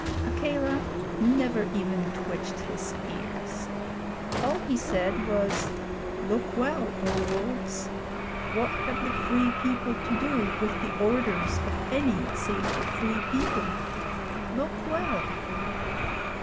Akela never even twitched his ears: all he said was: 'Look well, O Wolves! What have the Free People to do with the orders of any save the Free People? Look well!'